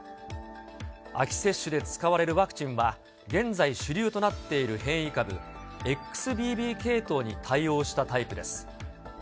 秋接種で使われるワクチンは現在主流となっている変異株、ＸＢＢ系統に対応したタイプです。